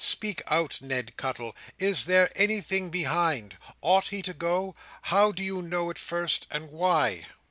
Speak out, Ned Cuttle. Is there anything behind? Ought he to go? How do you know it first, and why?"